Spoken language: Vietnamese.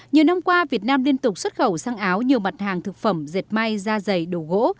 nhiều năm qua việt nam liên tục xuất khẩu sang áo nhiều mặt hàng thực phẩm dệt may da dày đồ gỗ